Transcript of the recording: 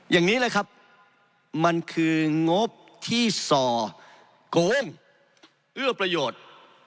อย่างนี้เลยครับมันคืองบที่ส่อโกงเอื้อประโยชน์